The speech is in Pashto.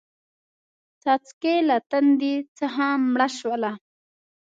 څاڅکې له تندې څخه مړه شوله